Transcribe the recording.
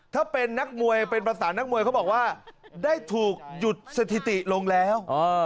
ถ้าเป็นนักมวยเป็นภาษานักมวยเขาบอกว่าได้ถูกหยุดสถิติลงแล้ว